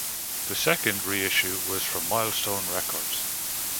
The second reissue was from Milestone Records.